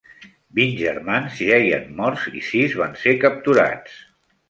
Vint germans jeien morts i sis van ser capturats.